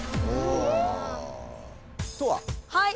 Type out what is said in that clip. はい！